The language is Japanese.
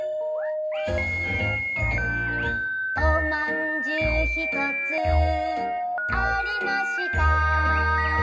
「おまんじゅうひとつありました」